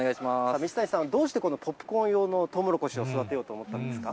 道谷さん、どうしてポップコーン用のトウモロコシを育てようと思ったんです